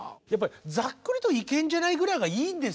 ざっくりといけんじゃないぐらいがいいんですよね。